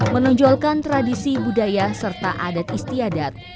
menonjolkan tradisi budaya serta adat istiadat